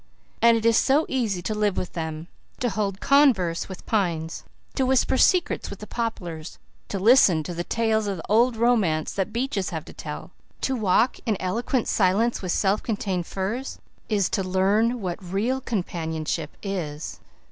"And it is so easy to live with them. To hold converse with pines, to whisper secrets with the poplars, to listen to the tales of old romance that beeches have to tell, to walk in eloquent silence with self contained firs, is to learn what real companionship is.